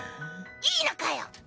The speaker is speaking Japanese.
いいのかよ！